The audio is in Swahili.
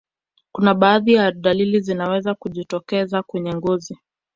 kuna baadhi ya dalili zinaweza kujitokeza kwenye ngozi